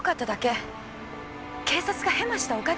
警察がヘマしたおかげなのよ。